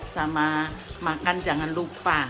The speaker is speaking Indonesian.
sama makan jangan lupa